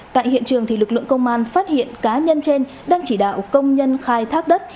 tại hiện trường lực lượng công an phát hiện cá nhân trên đang chỉ đạo công nhân khai thác đất